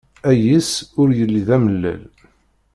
Ayis, ur yelli d amellal.